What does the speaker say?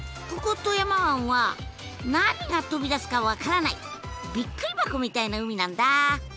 ここ富山湾は何が飛び出すか分からないびっくり箱みたいな海なんだ！